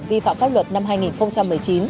vi phạm pháp luật năm hai nghìn một mươi chín